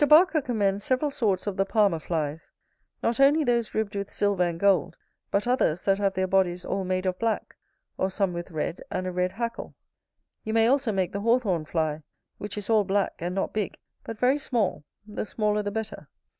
Barker commends several sorts of the palmer flies; not only those ribbed with silver and gold, but others that have their bodies all made of black; or some with red, and a red hackle. You may also make the Hawthorn fly: which is all black, and not big, but very small, the smaller the better.